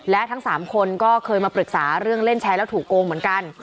และทั้ง๓คนก็เคยมาปรึกษาเรื่องเล่นแชร์แล้วถูกโกงเหมือนกัน